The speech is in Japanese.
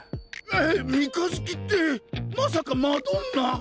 えっ三日月ってまさかマドンナ！？